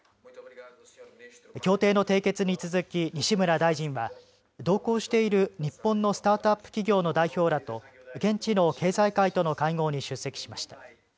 協定の締結に続き、西村大臣は同行している日本のスタートアップ企業の代表らと現地の経済界との会合に出席しました。